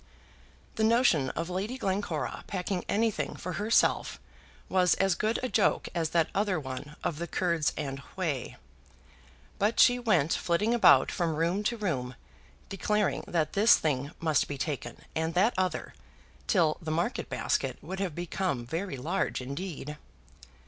The notion of Lady Glencora packing anything for herself was as good a joke as that other one of the Kurds and whey. But she went flitting about from room to room, declaring that this thing must be taken, and that other, till the market basket would have become very large indeed.